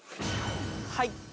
はい。